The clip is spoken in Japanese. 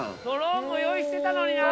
ドローンも用意してたのに。